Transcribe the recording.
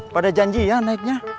pada janjian naiknya